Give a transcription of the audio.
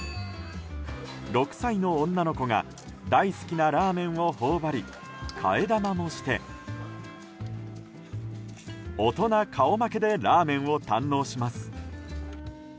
６歳の女の子が大好きなラーメンを頬張り替え玉もして、大人顔負けでラーメンを堪能します。